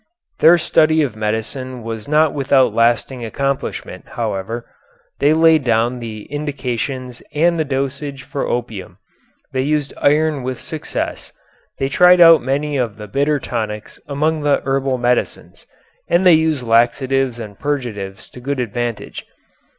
Their study of medicine was not without lasting accomplishment, however. They laid down the indications and the dosage for opium. They used iron with success, they tried out many of the bitter tonics among the herbal medicines, and they used laxatives and purgatives to good advantage.